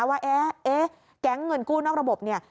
ว่าแก๊งเงินกู้นอกระบบเนี่ย